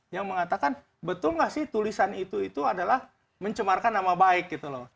yang mengatakan betul nggak sih tulisan itu itu adalah mencemarkan nama baik gitu loh